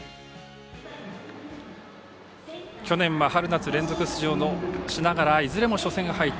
去年は春、夏連続出場しながらいずれも初戦敗退。